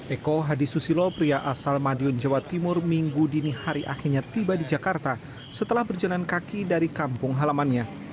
eko hadi susilo pria asal madiun jawa timur minggu dini hari akhirnya tiba di jakarta setelah berjalan kaki dari kampung halamannya